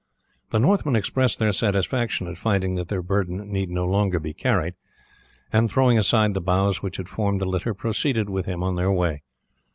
The Northmen expressed their satisfaction at finding that their burden need no longer be carried, and throwing aside the boughs which had formed the litter, proceeded with him on their way.